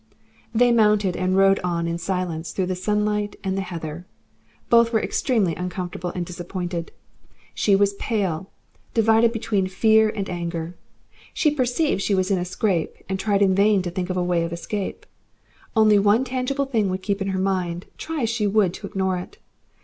They mounted, and rode on in silence, through the sunlight and the heather. Both were extremely uncomfortable and disappointed. She was pale, divided between fear and anger. She perceived she was in a scrape, and tried in vain to think of a way of escape. Only one tangible thing would keep in her mind, try as she would to ignore it.